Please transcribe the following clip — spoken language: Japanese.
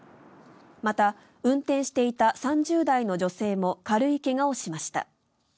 また運転していた３０代の女性も軽い怪我をしました。